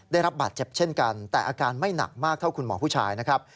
ได้รับบาดเจ็บเช่นกันแต่อาการไม่หนักมากเท่าคุณหมอผู้ชายนะครับ